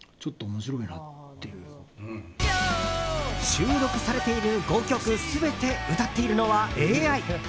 収録されている５曲全て歌っているのはＡＩ。